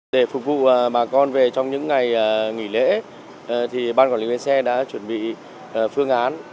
để phục vụ bà con về trong những ngày nghỉ lễ ban quản lý bến xe đã chuẩn bị phương án